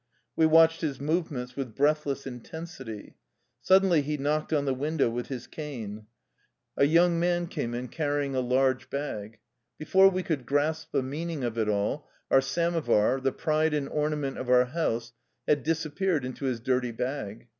We watched his move ments with breathless intensity. Suddenly he knocked on the window with his cane. A young 13 THE LIFE STOKY OF A RUSSIAN EXILE man came in, carrying a large bag. Before we could grasp the meaning of it all, our samovar, the pride and ornament of our house, had disappeared into his dirty bag.